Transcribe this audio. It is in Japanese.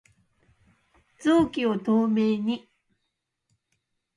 臓器を透明に